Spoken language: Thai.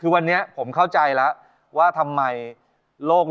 อุบันติเหตุหัวหัวใจหุกรณีรักกันบ่มีส่องเอง